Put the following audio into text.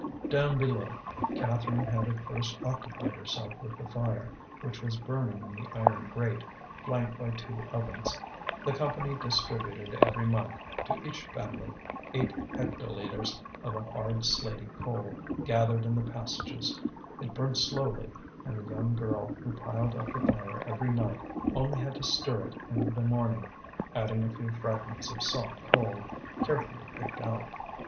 Down below, Catherine had at first occupied herself with the fire, which was burning in the iron grate, flanked by two ovens. The Company distributed every month, to each family, eight hectolitres of a hard slaty coal, gathered in the passages. It burnt slowly, and the young girl, who piled up the fire every night, only had to stir it in the morning, adding a few fragments of soft coal, carefully picked out.